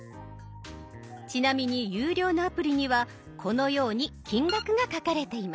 ちなみに有料のアプリにはこのように金額が書かれています。